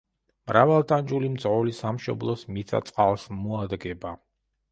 მრავალტანჯული მძღოლი სამშობლოს მიწა–წყალს მოადგება.